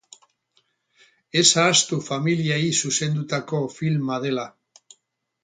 Ez ahaztu familiei zuzendutako filma dela.